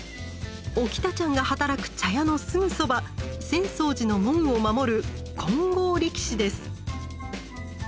おきたちゃんが働く茶屋のすぐそば浅草寺の門を守る「金剛力士」です。